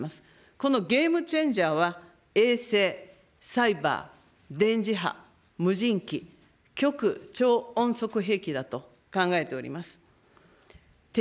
このゲームチェンジャーは、衛星、サイバー、電磁波、無人機、極超音速せいきだと考えております。